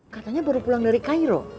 katanya baru pulang dari cairo